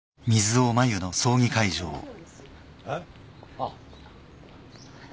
あっ。